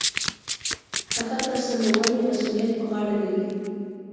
هغه د سمونې مسوولیت په غاړه لري.